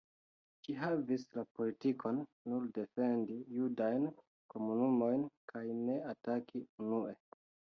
Ĝi havis la politikon nur defendi judajn komunumojn kaj ne ataki unue.